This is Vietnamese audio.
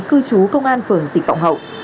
cư trú công an phường dịch vọng hậu